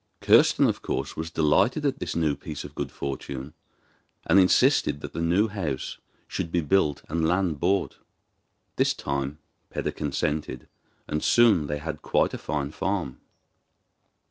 Kirsten, of course, was delighted at this new piece of good fortune, and insisted that the new house should be built and land bought. This time Peder consented, and soon they had quite a fine farm.